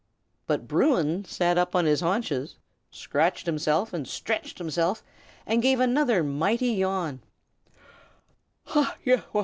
But Bruin sat up on his haunches, and scratched himself and stretched himself, and gave another mighty yawn.